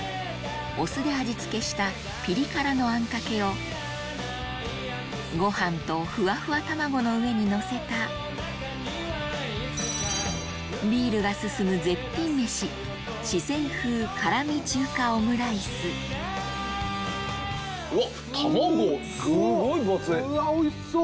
お酢で味付けしたピリ辛のあんかけをご飯とふわふわ卵の上にのせたビールが進む絶品メシおいしそう！